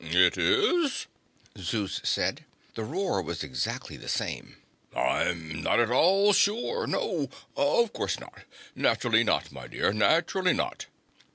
"It is?" Zeus said. The roar was exactly the same. "I'm not at all sure. No! Of course not. Naturally not, my dear. Naturally not."